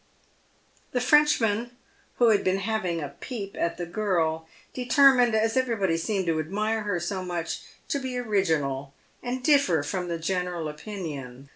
The Frenchman, who had been having a peep at the girl, deter mined, as everybody seemed to admire her so much, to be original, and differ from the general opinion.